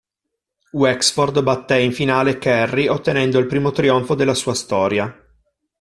Wexford batté in finale Kerry ottenendo il primo trionfo della sua storia.